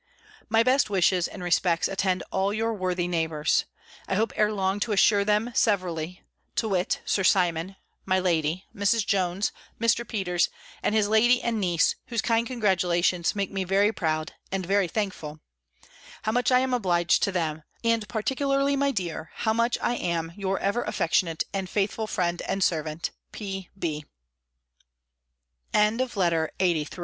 My best wishes and respects attend all your worthy neighbours. I hope ere long, to assure them, severally (to wit, Sir Simon, my lady, Mrs. Jones, Mr. Peters, and his lady and niece, whose kind congratulations make me very proud, and very thankful) how much I am obliged to them; and particularly, my dear, how much I am your ever affectionate and faithful friend and servant, P. B, LETTER LXXXIV _From Miss Darnford, in an